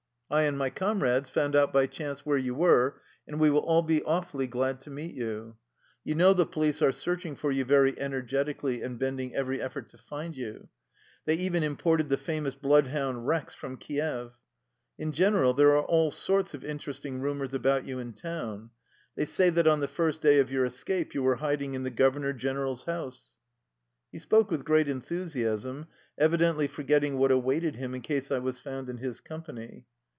I and my comrades found out by chance where you were, and we will all be awfully glad to meet you. You know the police are searching for you very energetically and bend ing every effort to find you. They even imported the famous bloodhound ^Eex' from Kief. In general, there are all sorts of interesting rumors about you in town. They say that on the first day of your escape you were hiding in the governor generaFs house." He spoke with great enthusiasm, evidently forgetting what awaited him in case I was found in his company.